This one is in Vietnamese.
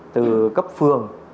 từ cấp phường